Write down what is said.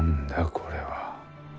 これは。